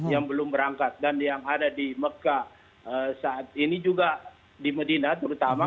yang belum berangkat dan yang ada di mekah saat ini juga di medina terutama